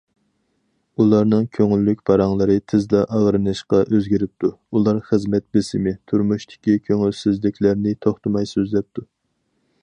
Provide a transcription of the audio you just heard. ئۇلارنىڭ كۆڭۈللۈك پاراڭلىرى تېزلا ئاغرىنىشقا ئۆزگىرىپتۇ، ئۇلار خىزمەت بېسىمى، تۇرمۇشتىكى كۆڭۈلسىزلىكلەرنى توختىماي سۆزلەپتۇ.